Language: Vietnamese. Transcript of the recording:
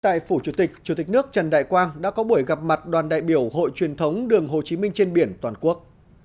tại phủ chủ tịch chủ tịch nước trần đại quang đã có buổi gặp mặt đoàn đại biểu hội truyền thống đường hồ chí minh trên biển toàn quốc